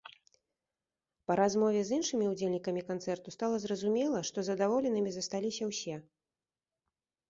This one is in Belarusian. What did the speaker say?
Па размове з іншымі ўдзельнікамі канцэрту стала зразумела, што задаволенымі засталіся ўсе!